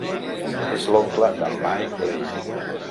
És l'oncle de Mike Blake.